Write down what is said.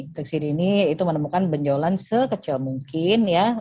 deteksi dini itu menemukan benjolan sekecil mungkin